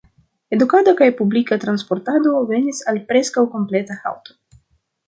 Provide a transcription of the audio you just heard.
Edukado kaj publika transportado venis al preskaŭ kompleta halto.